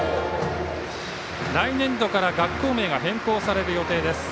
来年度から学校名が変更される予定です。